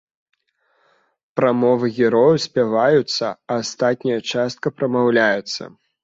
Прамовы герояў спяваюцца, а астатняя частка прамаўляецца.